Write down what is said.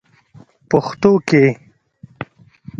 پښتو کې: